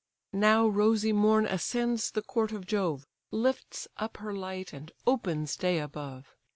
Now rosy Morn ascends the court of Jove, Lifts up her light, and opens day above.